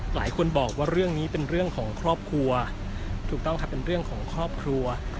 หลายคนบอกว่าเรื่องนี้เป็นเรื่องของครอบครัวถูกต้องครับเป็นเรื่องของครอบครัว